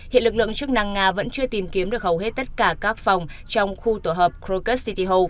hiện lực lượng chức năng nga vẫn chưa tìm kiếm được hầu hết tất cả các phòng trong khu tổ hợp krocus city hall